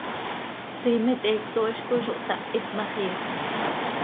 Siimet heecto hizcoi zo htahit ma, xiixöp.